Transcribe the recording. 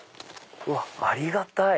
ありがたい！